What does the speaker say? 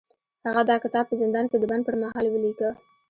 هغه دا کتاب په زندان کې د بند پر مهال ولیکه